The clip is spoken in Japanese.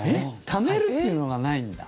ためるっていうのがないんだ。